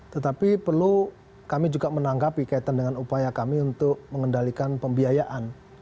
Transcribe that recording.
tetapi perlu kami juga menanggapi kaitan dengan upaya kami untuk mengendalikan pembiayaan